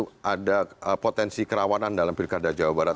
saya rasa tidak ada potensi kerawanan dalam pilkada jawa barat